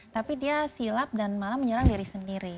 tapi dia silap dan malah menyerang diri sendiri